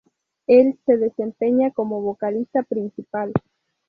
Él se desempeña como vocalista principal.